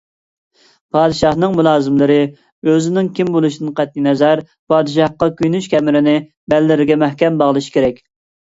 پادىشاھنىڭ مۇلازىملىرى ئۆزىنىڭ كىم بولۇشىدىن قەتئىينەزەر، پادىشاھقا كۆيۈنۈش كەمىرىنى بەللىرىگە مەھكەم باغلىشى كېرەك.